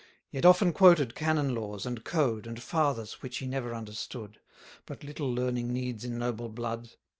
Yet often quoted Canon laws, and Code, And Fathers which he never understood; But little learning needs in noble blood.